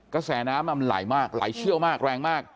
กระแสน้ำมันไหลมากไหลเชี่ยวมากแรงมาก